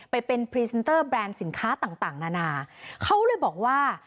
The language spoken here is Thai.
ไปเป็นพรีเซนเตอร์แบรนด์สินค้าต่างต่างนานาเขาเลยบอกว่า